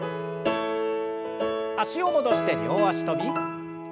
脚を戻して両脚跳び。